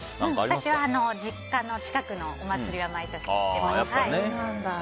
私は実家の近くのお祭りは毎年行ってます。